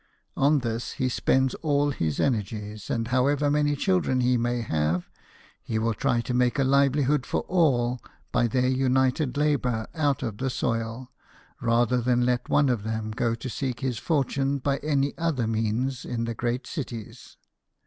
On this he spends all his energies, and however many children he may have, he will try to make a livelihood for all by their united labour out of the soil, rather than let one of them go to seek his fortune by any other means in the great cities.